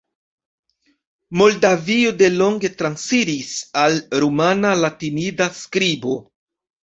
Moldavio delonge transiris al rumana latinida skribo.